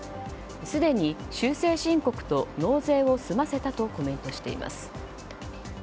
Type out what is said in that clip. すでに修正申告と納税を済ませたとコメントしています。